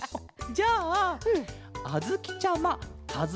じゃああづきちゃまかず